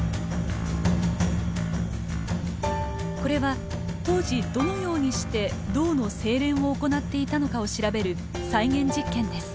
これは当時どのようにして銅の精錬を行っていたのかを調べる再現実験です。